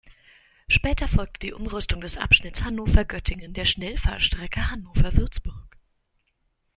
Später folgte die Umrüstung des Abschnitts Hannover–Göttingen der Schnellfahrstrecke Hannover–Würzburg.